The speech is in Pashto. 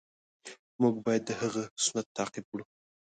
مونږ باید د هغه سنت تعقیب کړو.